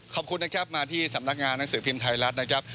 ขอบคุณนะครับมาที่สำนักงานหนังสือพิมพ์ไทยรัฐนะครับ